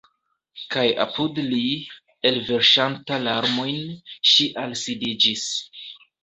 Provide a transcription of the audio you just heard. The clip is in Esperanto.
Kaj apud li, elverŝanta larmojn, ŝi alsidiĝis.